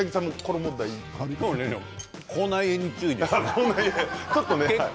口内炎に注意ですね。